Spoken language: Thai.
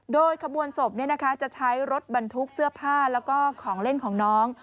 โดยขบวนศพจะใช้รถบรรทุกเสื้อผ้าแล้วก็ของเล่นของน้อง